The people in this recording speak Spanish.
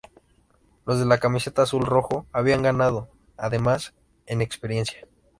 Los de la camiseta azul-rojo habían ganado, además, en experiencia.